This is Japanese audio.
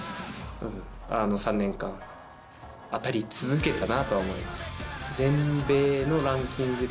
３年間当たり続けたなとは思います。